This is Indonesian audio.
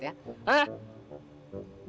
gue gak mau